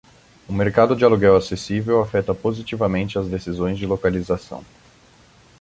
Um mercado de aluguel acessível afeta positivamente as decisões de localização.